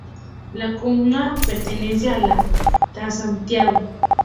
La comuna pertenecía a la del Transantiago.